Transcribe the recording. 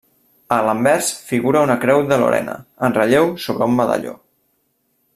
A l'anvers figura una creu de Lorena en relleu sobre un medalló.